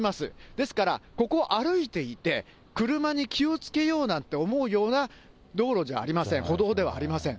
ですから、ここを歩いていて、車に気をつけようなんて思うような道路じゃありません、歩道ではありません。